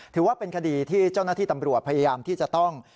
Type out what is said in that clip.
ถือว่าเป็นคดีที่เจ้าหน้าที่ตำรวจพยายามที่จะต้อง